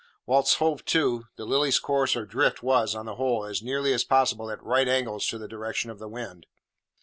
Whilst hove to, the Lily's course or drift was, on the whole, as nearly as possible at right angles to the direction of the wind.